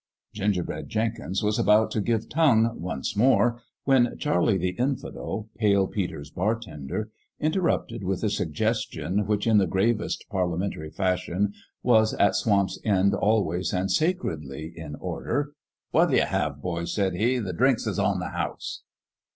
Gingerbread Jenkins was about to give tongue, once more, when Charlie the Infidel, Pale Peter's bartender, interrupted with a suggestion which in the gravest parliamentary fashion was at Swamp's End always and sacredly in order. "What'll ye have, boys?" said he; "the drinks is on the house."